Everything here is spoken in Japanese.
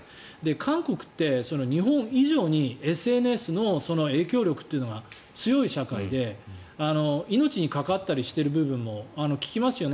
韓国って日本以上にＳＮＳの影響力というのが強い社会で命に関わったりしている部分も聞きますよね。